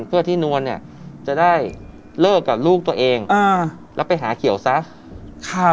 เพื่อที่นวลเนี่ยจะได้เลิกกับลูกตัวเองอ่าแล้วไปหาเขียวซะ